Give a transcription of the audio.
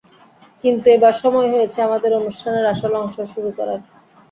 কিন্ত এবার সময় হয়েছে আমাদের অনুষ্ঠানের আসল অংশ শুরু করার।